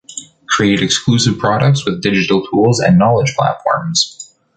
Create exclusive products with digital tools and knowledge platforms